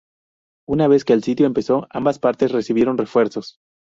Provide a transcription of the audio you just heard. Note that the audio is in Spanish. Una vez que el sitio empezó, ambas partes recibieron refuerzos.